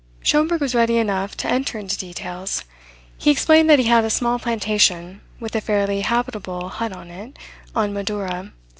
Schomberg was ready enough to enter into details. He explained that he had a small plantation, with a fairly habitable hut on it, on Madura.